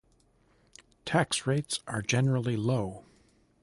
Tax rates are generally low.